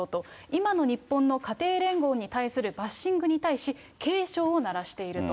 今の日本の家庭連合に対するバッシングに対し、警鐘を鳴らしていると。